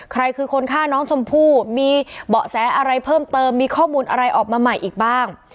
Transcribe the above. ใครคือคนฆ่าน้องชมพู่มีเบาะแสอะไรเพิ่มเติมมีข้อมูลอะไรออกมาใหม่อีกบ้าง